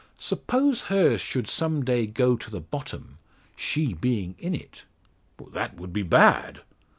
Suppose hers should some day go to the bottom she being in it?" "That would be bad."